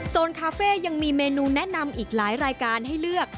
คาเฟ่ยังมีเมนูแนะนำอีกหลายรายการให้เลือก